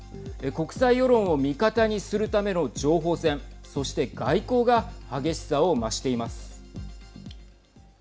国際世論を味方にするための情報戦そして外交が激しさを増しています。